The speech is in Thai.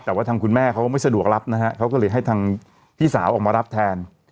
แต่ว่าทางคุณแม่เขาก็ไม่สะดวกรับนะฮะเขาก็เลยให้ทางพี่สาวออกมารับแทน